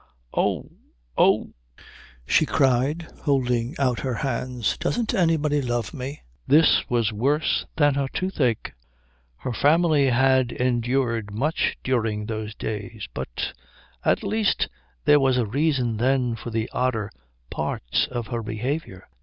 "Oh, oh " she cried, holding out her hands, "doesn't anybody love me?" This was worse than her toothache. Her family had endured much during those days, but at least there was a reason then for the odder parts of her behaviour.